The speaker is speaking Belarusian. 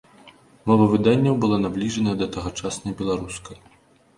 Мова выданняў была набліжаная да тагачаснай беларускай.